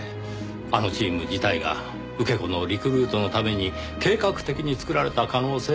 あのチーム自体が受け子のリクルートのために計画的に作られた可能性が高い。